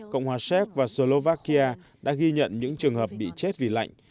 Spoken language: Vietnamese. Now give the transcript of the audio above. cộng hòa séc và slovakia đã ghi nhận những trường hợp bị chết vì lạnh